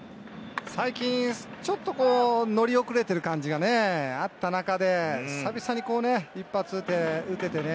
最近、ちょっと乗り遅れてる感じがあった中で、久々に一発打ててね。